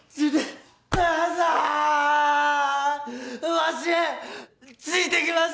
わしついてきます